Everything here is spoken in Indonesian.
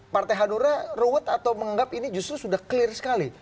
partai hanura ruwet atau menganggap ini justru sudah clear sekali